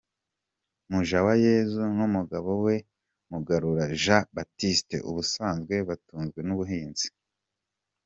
Mujawayezu n’umugabo we Mugarura Jean Baptiste ubusanzwe batunzwe n’ubuhinzi.